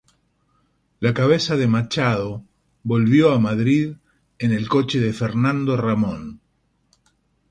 La "Cabeza de Machado" volvió a Madrid, en el coche de Fernando Ramón.